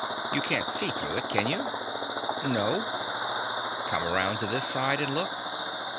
"You can't see through it, can you?" "No." "Come around to this side and look."